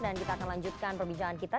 dan kita akan lanjutkan perbincangan kita